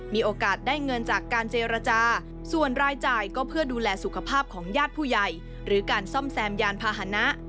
มีโอกาสได้เงินจากการเจรจาส่วนรายจ่ายก็เพื่อดูแลสุขภาพของญาติผู้ใหญ่หรือการซ่อมแซมยานพาหนะ